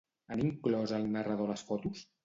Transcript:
Han inclòs el narrador a les fotos?